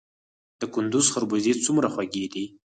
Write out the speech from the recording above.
د کندز خربوزې څومره خوږې دي؟